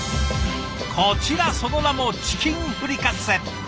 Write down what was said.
こちらその名もチキンフリカッセ。